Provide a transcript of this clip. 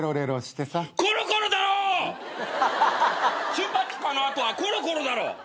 チュパチュパの後はコロコロだろ。